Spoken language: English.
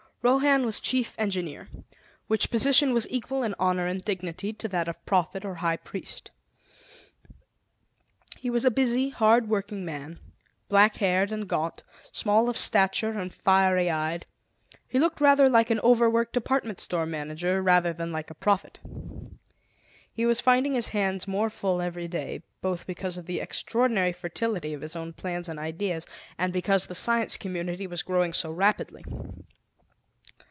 Rohan was Chief Engineer, which position was equal in honor and dignity to that of Prophet or High Priest. He was a busy, hard worked man, black haired and gaunt, small of stature and fiery eyed; he looked rather like an overworked department store manager rather than like a prophet. He was finding his hands more full every day, both because of the extraordinary fertility of his own plans and ideas, and because the Science Community was growing so rapidly.